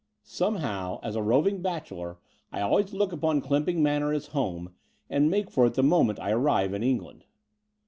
"Somehow, as a roving bachelor, I al ways look upon Clymping Manor as home, and make for it the moment I arrive in England."